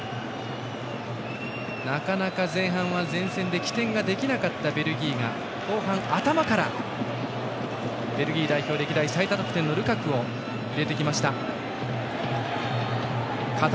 なかなか前半は前線で起点ができなかったベルギーが後半、頭からベルギー代表最多得点のルカクを入れてきました。